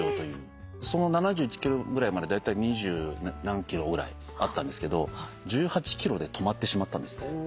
その７１ｋｇぐらいまでだいたい二十何ｋｇぐらいあったんですけど１８ｋｇで止まってしまったんですね。